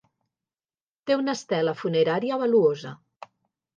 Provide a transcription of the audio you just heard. Té una estela funerària valuosa.